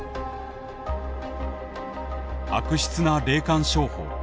悪質な霊感商法。